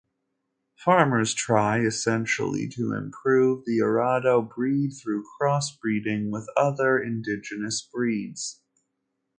Farmers try essentially to improve the Arado breed through crossbreeding with other indigenous breeds.